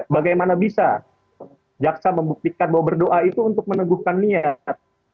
bagaimana bisa jaksa membuktikan bahwa berdoa itu untuk meneguhkan niat